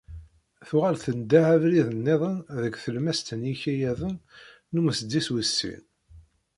Tuɣal tendeh abrid-nniḍen deg tlemmast n yikayaden n umesḍis wis sin.